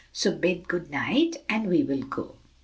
So bid good night, and we will go."